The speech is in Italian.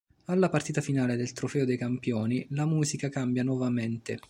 Alla partita finale del "Trofeo dei Campioni" la musica cambia nuovamente.